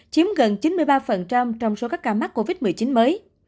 chiếm gần chín mươi ba trong số các ca mắc covid một mươi chín mới